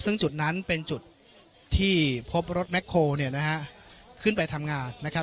ซึ่งจุดนั้นเป็นจุดที่พบรถแคลเนี่ยนะฮะขึ้นไปทำงานนะครับ